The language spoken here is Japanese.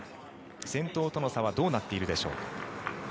先頭との差はどうなっているでしょうか。